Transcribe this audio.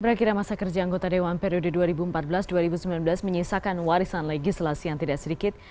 berakhirnya masa kerja anggota dewan periode dua ribu empat belas dua ribu sembilan belas menyisakan warisan legislasi yang tidak sedikit